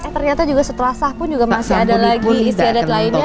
ternyata juga setelah sah pun masih ada lagi istri adat lainnya